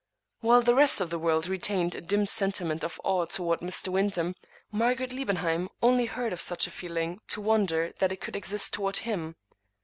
While the rest of the world retained a dim sentiment of awe toward Mr. Wyndham, Margaret Liebenheim only heard of such a feeling to won der that it could exist toward him.